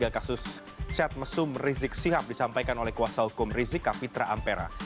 kasus chat mesum rizik sihab disampaikan oleh kuasa hukum rizik kapitra ampera